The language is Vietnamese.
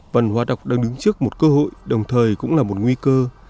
văn hóa đọc đang đứng trước một cơ hội đồng thời cũng là một nguy cơ